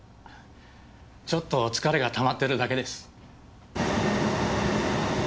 ちょっと疲れがたまってるだけです。